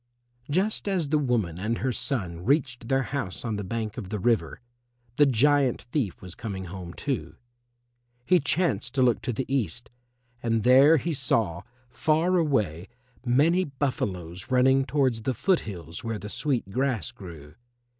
Just as the woman and her son reached their house on the bank of the river, the giant thief was coming home too. He chanced to look to the east, and there he saw, far away, many buffaloes running towards the foot hills where the sweet grass grew.